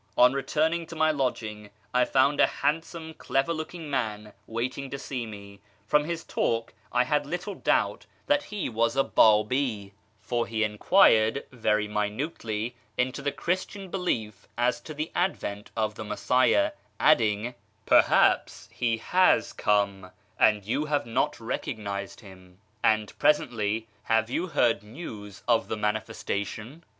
On returning to my lodging, I found a handsome clever looking man waiting to see me. From his talk I had little doubt that he was a Babi, for he enquired very minutely into the Christian belief as to the advent of the Messiah, adding, " Perhaps He has come, and you have not recognised Him," and presently, " Have you heard news of the Manifesta tion